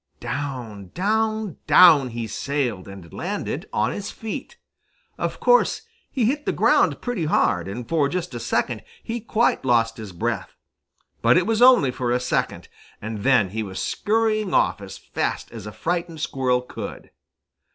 Down, down, down he sailed and landed on his feet. Of course, he hit the ground pretty hard, and for just a second he quite lost his breath. But it was only for a second, and then he was scurrying off as fast as a frightened Squirrel could.